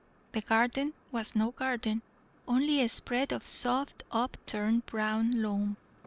The garden was no garden, only a spread of soft, up turned brown loam.